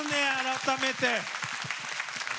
改めて。